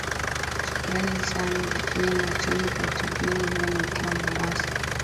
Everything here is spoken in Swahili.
shukrani sana laki mwachomi kwa utathmini huo ukiwa mombasa